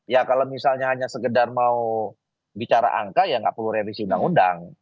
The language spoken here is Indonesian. ya kalau misalnya hanya sekedar mau bicara angka ya nggak perlu revisi undang undang